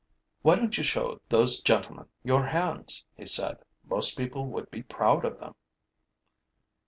'Why don't you show those gentlemen your hands?' he said. 'Most people would be proud of them.'